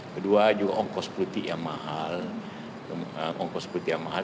kedua juga ongkos politik yang mahal